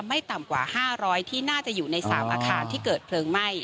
ไม่ต่ำกว่า๕๐๐ที่น่าจะอยู่ใน๓อาคารที่เกิดเพลิงไหม้